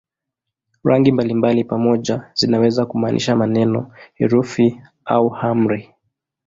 Rangi mbalimbali pamoja zinaweza kumaanisha maneno, herufi au amri.